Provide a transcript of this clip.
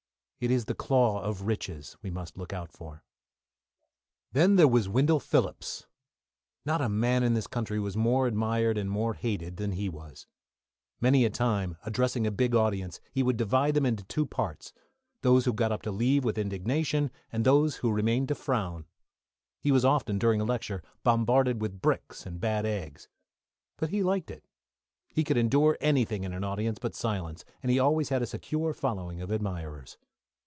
It is the claw of riches we must look out for. Then there was Wendell Phillips! Not a man in this country was more admired and more hated than he was. Many a time, addressing a big audience, he would divide them into two parts those who got up to leave with indignation, and those who remained to frown. He was often, during a lecture, bombarded with bricks and bad eggs. But he liked it. He could endure anything in an audience but silence, and he always had a secure following of admirers.